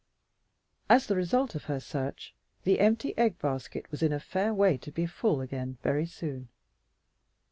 As the result of her search, the empty egg basket was in a fair way to be full again very soon.